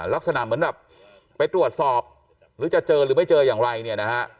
ลักษณะเหมือนแบบไปตรวจสอบหรือจะเจอหรือไม่เจออย่างไรเนี่ยนะฮะ